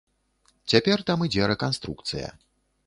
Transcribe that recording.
Цяпер там ідзе рэканструкцыя.